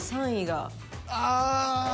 ああ。